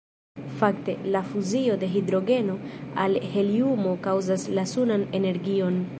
Fakte, la fuzio de hidrogeno al heliumo kaŭzas la sunan energion.